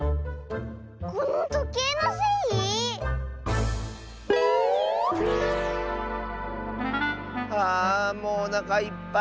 このとけいのせい⁉はあもうおなかいっぱい。